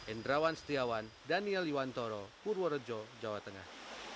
endrawan setiawan daniel iwantoro purworejo jawa tengah